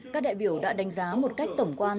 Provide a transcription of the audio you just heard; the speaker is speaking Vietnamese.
các đại biểu đã đánh giá một cách tổng quan